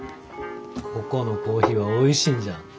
ここのコーヒーはおいしいんじゃ。